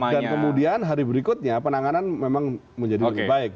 dan kemudian hari berikutnya penanganan memang menjadi lebih baik